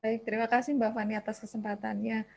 baik terima kasih mbak fani atas kesempatannya